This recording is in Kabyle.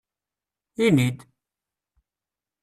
Ini-d!